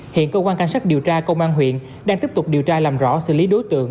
hiện cơ quan cảnh sát điều tra công an huyện đang tiếp tục điều tra làm rõ xử lý đối tượng